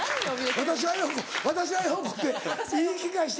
「私はようこ私はようこ」って言い聞かせて。